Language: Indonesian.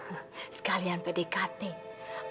saya udah sisirin rambutnya tadi udah cakep